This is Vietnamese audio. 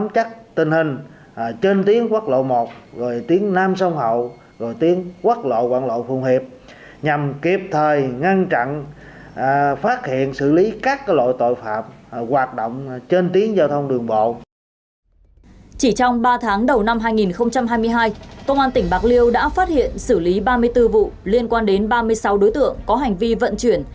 chỉ trong ba tháng đầu năm hai nghìn hai mươi hai công an tỉnh bạc liêu đã phát hiện xử lý ba mươi bốn vụ liên quan đến ba mươi sáu đối tượng có hành vi vận chuyển